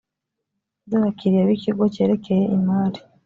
by abakiliya b ikigo cyerekeye imari